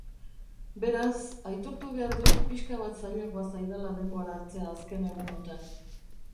Beraz, aitortu behar dut pixka bat zailagoa zaidala denbora hartzea azken egunotan.